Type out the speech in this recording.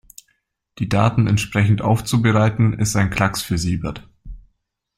Die Daten entsprechend aufzubereiten, ist ein Klacks für Siebert.